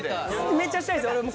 めっちゃしたいです俺も。